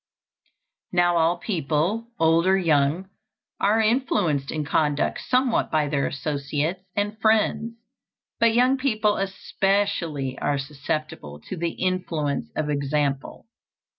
Now all people, old or young, are influenced in conduct somewhat by their associates and friends; but young people especially are susceptible to the influence of example.